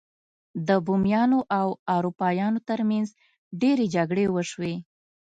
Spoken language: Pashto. د بومیانو او اروپایانو ترمنځ ډیرې جګړې وشوې.